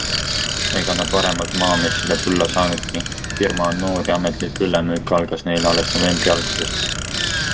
Ega nad varemalt maamessile tulla saanudki, firma on noor ja ametlik õllemüük algas neil alles novembri algusest.